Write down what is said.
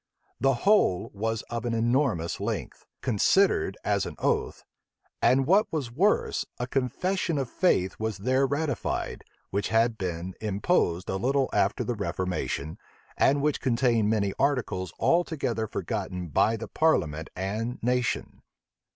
The whole was of an enormous length, considered as an oath; and what was worse, a confession of faith was there ratified, which had been imposed a little after the reformation, and which contained many articles altogether forgotten by the parliament and nation.